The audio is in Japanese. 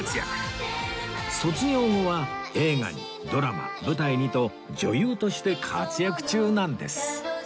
卒業後は映画にドラマ舞台にと女優として活躍中なんです